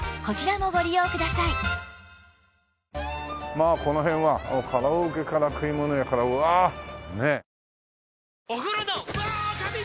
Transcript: まあこの辺はカラオケから食いもの屋からうわあねえ。